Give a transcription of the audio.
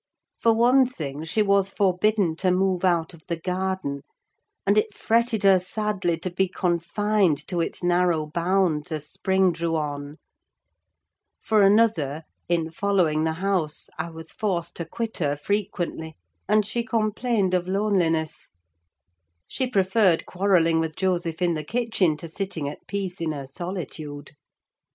For one thing, she was forbidden to move out of the garden, and it fretted her sadly to be confined to its narrow bounds as spring drew on; for another, in following the house, I was forced to quit her frequently, and she complained of loneliness: she preferred quarrelling with Joseph in the kitchen to sitting at peace in her solitude.